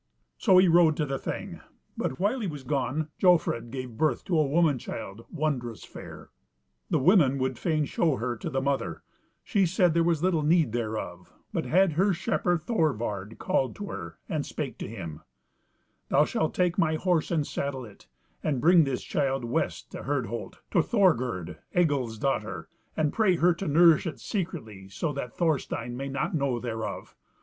So he rode to the Thing; but while he was gone Jofrid gave birth to a woman child wondrous fair. The women would fain show her to the mother; she said there was little need thereof, but had her shepherd Thorvard called to her, and spake to him: "Thou shalt take my horse and saddle it, and bring this child west to Herdholt, to Thorgerd, Egil's daughter, and pray her to nourish it secretly, so that Thorstein may not know thereof.